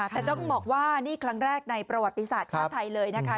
แต่ต้องบอกว่านี่ครั้งแรกในประวัติศาสตร์ชาติไทยเลยนะคะ